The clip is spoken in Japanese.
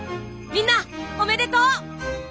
みんなおめでとう！